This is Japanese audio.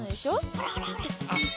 ほらほらほら。